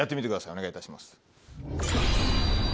お願いいたします。